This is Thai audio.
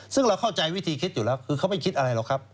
ซึ่งเราเข้าใจวิธีคิดอยู่แล้วคือเขาไม่คิดอะไรหรอกครับ